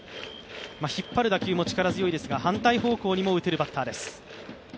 引っ張る打球も力強いですが、反対方向にも打てるバッターです。